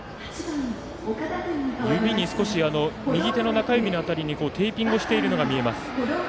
右手の中指の辺りにテーピングをしているのが見えます。